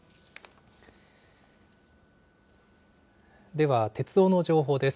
では、鉄道の情報です。